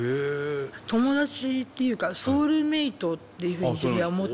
友達っていうかソウルメイトっていうふうに自分では思って。